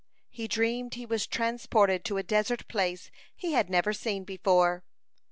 He dreamed he was transported to a desert place he had never seen before.